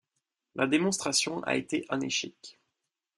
La démonstration a été un échec.